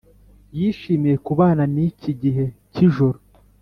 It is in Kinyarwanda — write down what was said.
yishimiye kubana niki gihe cyijoro,